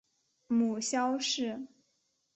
母萧氏。